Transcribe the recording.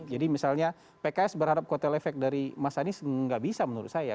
misalnya pks berharap kotel efek dari mas anies nggak bisa menurut saya